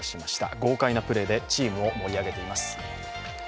豪快なプレーでチームを盛り上げています。